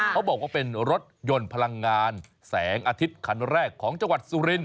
เขาบอกว่าเป็นรถยนต์พลังงานแสงอาทิตย์คันแรกของจังหวัดสุรินท